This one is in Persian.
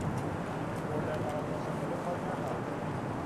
بردن آن مسابقه کاری نخواهد داشت.